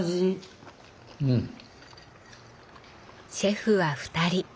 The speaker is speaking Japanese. シェフは２人。